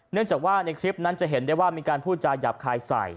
เนื่องจากว่าในคลิปนั้นจะเห็นได้ว่ามีการพูดจาหยาบคายใส่